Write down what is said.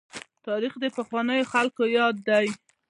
تاريخ د پخوانیو خلکو ياد دی.